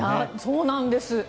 そうなんです。